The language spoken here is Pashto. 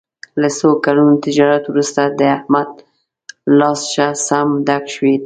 له څو کلونو تجارت ورسته د احمد لاس ښه سم ډک شوی دی.